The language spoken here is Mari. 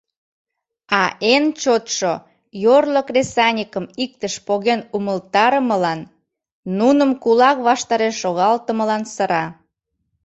А эн чотшо йорло кресаньыкым иктыш поген умылтарымылан, нуным кулак ваштареш шогалтымылан сыра.